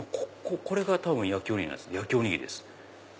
これが多分焼きおにぎり焼きおにぎりです。